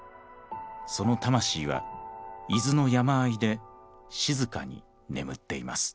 その魂は伊豆の山あいで静かに眠っています。